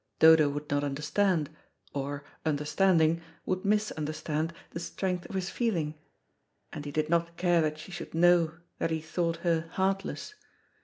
Dodo would not understand, or, understanding, would misunderstand the strength of his feeling, and he did not care that she should know that he thought her heartless.